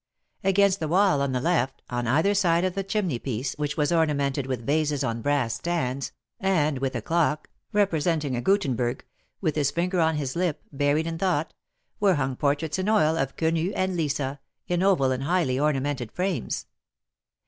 Against the wall on the left, on either side of the chimney piece, which was ornamented with vases on brass stands, and with a clock, representing a Guttenberg, with his finger on his lip, buried in thought — were hung portraits in oil of Quenu and Lisa, in oval and highly ornamented frames.